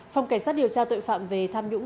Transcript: phòng cảnh sát điều tra tội phạm về tham nhũng